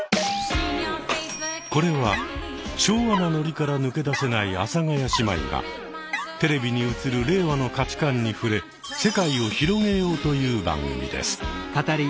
これは昭和なノリから抜け出せない阿佐ヶ谷姉妹がテレビに映る令和の価値観に触れ世界を広げようという番組です。